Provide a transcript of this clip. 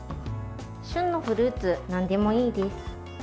旬のフルーツ、なんでもいいです。